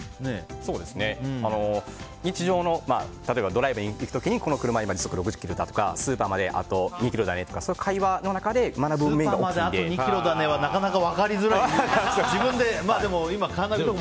日常の例えばドライブに行く時にこの車、今時速何十キロだとかスーパーまであと２ｋｍだねとか会話の中で出てくるものがスーパーまであと２ｋｍだねはなかなか分かりづらい。